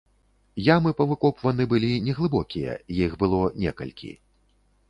Ямы павыкопваны былі неглыбокія, іх было некалькі.